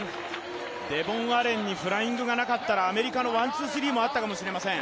デボン・アレンにフライングがなかったらアメリカの１・２・３もあったかもしれません。